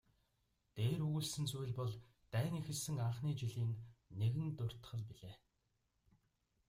Дээр өгүүлсэн зүйл бол дайн эхэлсэн анхны жилийн нэгэн дуртгал билээ.